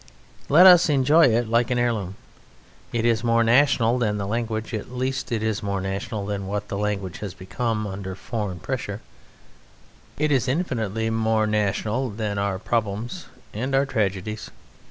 Let us enjoy it like an heirloom. It is more national than the language; at least it is more national than what the language has become under foreign pressure; it is infinitely more national than our problems and our tragedies.